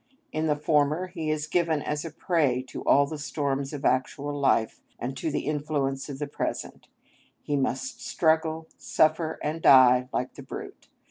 In the former he is given as a prey to all the storms of actual life, and to the influence of the present; he must struggle, suffer, and die like the brute.